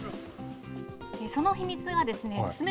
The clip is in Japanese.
その秘密がですね